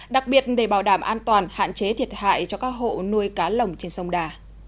đặc biệt để bảo đảm an toàn hạn chế thiệt hại cho các hộ nuôi cá lồng trên sông đà